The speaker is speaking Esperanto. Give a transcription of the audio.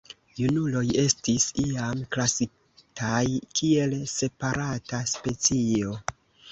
Junuloj estis iam klasitaj kiel separata specio.